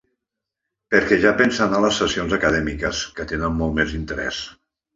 Perquè ja pensa anar a les sessions acadèmiques, que tenen molt més interès.